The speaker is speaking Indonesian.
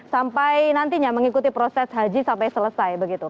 sampai nantinya mengikuti proses haji sampai selesai begitu